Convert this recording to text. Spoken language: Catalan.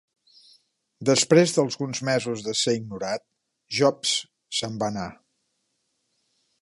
Després d'alguns mesos de ser ignorat, Jobs se'n va anar.